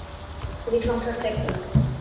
তিনি সংসার ত্যাগ করেন।